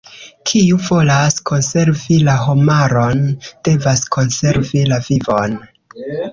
Kiu volas konservi la homaron, devas konservi la vivon.